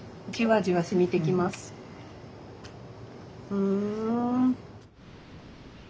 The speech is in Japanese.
ふん。